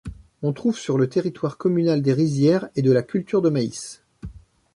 On trouve sur le territoire communal des rizières et de la culture de maïs.